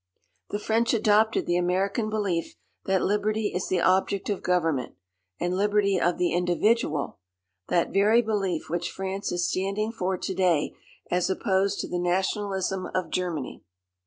The French adopted the American belief that liberty is the object of government, and liberty of the individual that very belief which France is standing for to day as opposed to the nationalism of Germany.